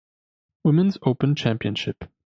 Women’s Open Championship".